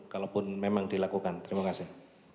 kalaupun memang dilakukan terima kasih